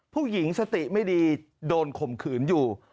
ผู้หญิงสติไม่ดีโดนข่มขืนอยู่